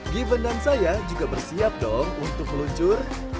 given dan saya juga bersiap dong untuk meluncur